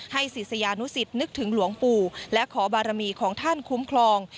ศิษยานุสิตนึกถึงหลวงปู่และขอบารมีของท่านคุ้มครอง